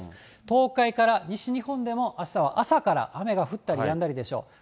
東海から西日本でもあしたは朝から雨が降ったりやんだりでしょう。